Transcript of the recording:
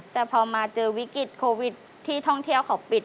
แต่พอมาเจอวิกฤตโควิดที่ท่องเที่ยวเขาปิด